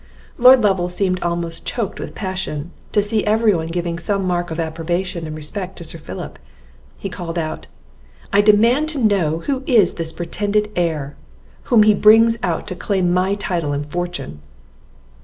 Lord Lovel seemed almost choaked with passion, to see every one giving some mark of approbation and respect to Sir Philip. He called out "I demand to know who is this pretended heir, whom he brings out to claim my title and fortune?"